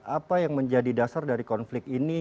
apa yang menjadi dasar dari konflik ini